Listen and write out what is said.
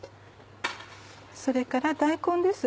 それから大根です。